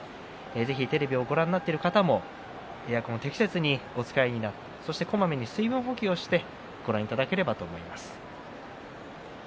テレビをご覧になっている方もエアコンを適切にお使いになってこまめに水分補給をしてご覧いただければと思います。